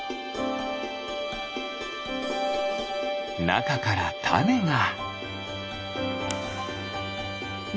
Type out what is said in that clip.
なかからたねが。